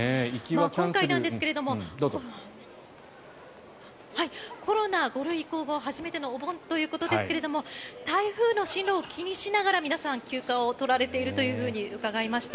今回なんですがコロナ５類移行後初めてのお盆ということですが台風の進路を気にしながら皆さん、休暇を取られていると伺いました。